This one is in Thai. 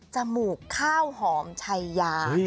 จมูกข้าวหอมไชยา